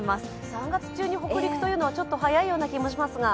３月中に北陸というのはちょっと早いような感じがしますが。